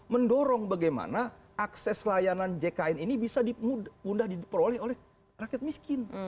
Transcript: mendorong bagaimana akses layanan jkn ini bisa mudah diperoleh oleh rakyat miskin